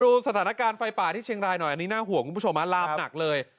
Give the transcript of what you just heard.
ดูสถานการณ์ไฟป่าที่เชียงรายหน่อยอันนี้น่าห่วงคุณผู้ชมฮะลามหนักเลย